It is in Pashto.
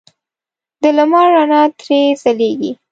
د لمر رڼا ترې ځلېږي.